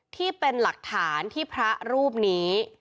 ที่เป็นหลักฐานที่พระรูปนี้